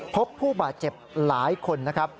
พบผู้บาดเจ็บหลายคนนะครับ